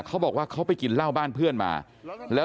ก็บอกว่าเขาไปกินเหล้าบ้านเพื่อนมา